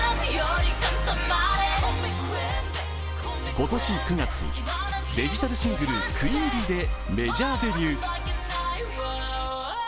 今年９月、デジタルシングル「ＱｕｅｅｎＢｅｅ」でメジャーデビュー。